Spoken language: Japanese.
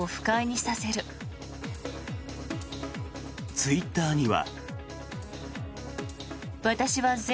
ツイッターには。